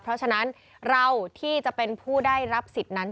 เพราะฉะนั้นเราที่จะเป็นผู้ได้รับสิทธิ์นั้น